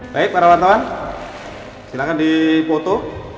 baik para wartawan silakan dipoto